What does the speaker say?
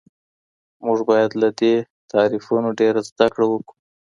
موږ باید له دې تعریفونو ډېره زده کړه وکړو.